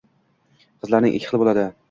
Qizlarning ikki xili bo'ladi